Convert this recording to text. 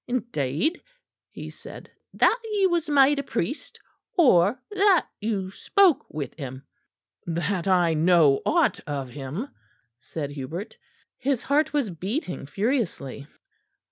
"Indeed?" he said. "That he was made a priest, or that you spoke with him?" "That I know aught of him," said Hubert. His heart was beating furiously.